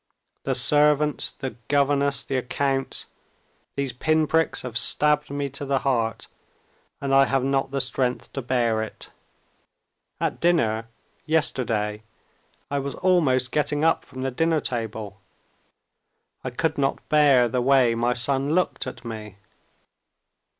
The servants, the governess, the accounts.... These pinpricks have stabbed me to the heart, and I have not the strength to bear it. At dinner ... yesterday, I was almost getting up from the dinner table. I could not bear the way my son looked at me.